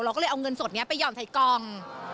ก็เลยเอาเงินสดนี้ไปห่อนใส่กล่อง